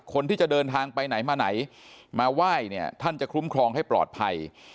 คนที่จะเดินทางไปไหนมาไหนมาไหว้เนี่ยท่านจะคุ้มครองให้ปลอดภัย